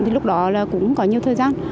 thì lúc đó cũng có nhiều thời gian